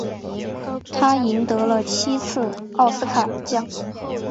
他赢得了七次奥斯卡奖。